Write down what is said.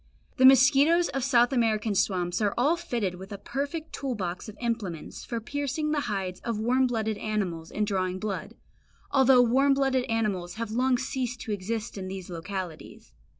The mosquitoes of South American swamps are all fitted with a perfect tool box of implements for piercing the hides of warm blooded animals and drawing blood, although warm blooded animals have long ceased to exist in those localities.